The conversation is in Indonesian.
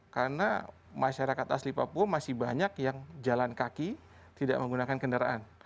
karena masyarakat asli papua masih banyak yang jalan kaki tidak menggunakan kendaraan